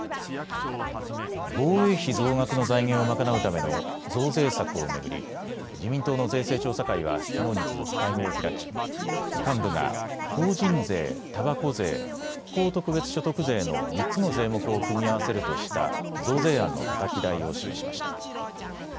防衛費増額の財源を賄うための増税策を巡り、自民党の税制調査会はきのうに続き会合を開き、幹部が法人税、たばこ税、復興特別所得税の３つの税目を組み合わせるとした増税案のたたき台を示しました。